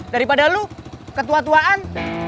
daripada lo ketua tuaan